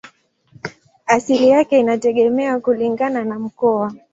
Asili yake inategemea kulingana na mkoa.